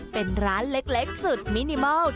เป็นร้านเล็กสุดมินิมอล